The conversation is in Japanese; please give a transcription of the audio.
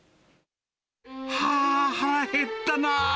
はー、腹減ったなぁ。